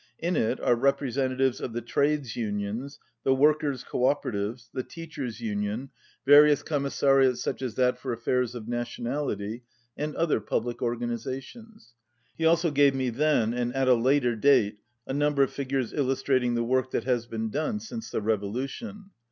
In it are representatives of the Trades Unions, the Workers' Co operatives, the Teachers' 180 Union, various Commissariats such as that for affairs of Nationality, and other public organiza tions. He also gave me then and at a later date a number of figures illustrating the work that has been done since the revolution.